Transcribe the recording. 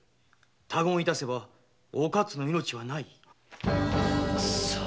「他言いたせばお勝の命はない」くそっ！